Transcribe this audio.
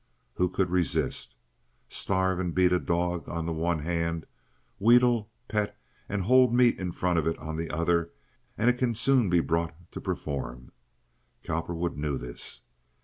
Who could resist? Starve and beat a dog on the one hand; wheedle, pet, and hold meat in front of it on the other, and it can soon be brought to perform. Cowperwood knew this.